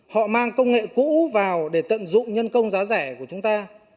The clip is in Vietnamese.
họ mang công nghệ cũ vào để tận dụng nhân công giá rẻ của chúng ta